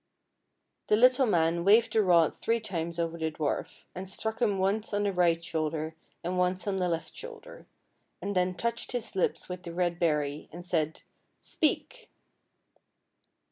The little man waved the rod three times over the dwarf, and struck him once on the right shoulder and once on the left shoulder, and then touched his lips with the red berry, and said: "Speak!"